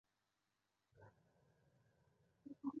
莲花井于元至正元年由举人林济开凿。